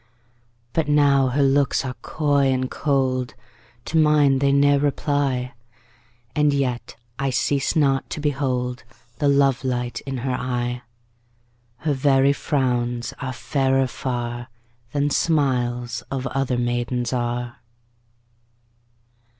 But now her looks are coy and cold, To mine they ne'er reply, And yet I cease not to behold The love light in her eye: 10 Her very frowns are fairer far Than smiles of other maidens are.